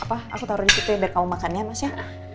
aku taruh disitu ya biar kamu makan ya mas ya